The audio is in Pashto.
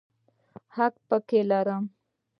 حق پکې لرم.